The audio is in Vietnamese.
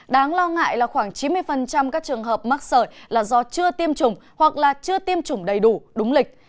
đáng lo ngại là khoảng chín mươi các trường hợp mắc sởi là do chưa tiêm chủng hoặc là chưa tiêm chủng đầy đủ đúng lịch